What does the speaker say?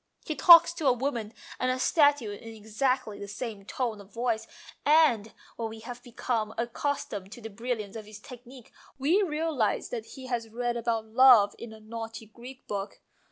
He talks to a woman and a statue in exactly the same tone of voice, and when we have become accus tomed to the brilliance of his technique we realize that he has read about love in a 272 MONOLOGUES naughty Greek book.